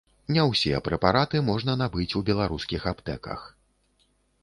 Не ўсе прэпараты можна набыць у беларускіх аптэках.